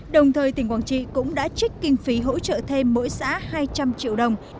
đồng thời tỉnh quảng trị cũng đã trích kinh phí hỗ trợ thêm mỗi xã hai trăm linh triệu đồng